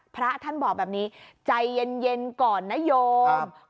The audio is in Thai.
พระท่านบอกแบบนี้ใจเย็นก่อนนโยม